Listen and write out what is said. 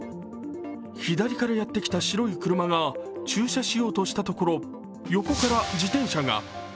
左からやって来た白い車が駐車しようとしたところ横から自転車が。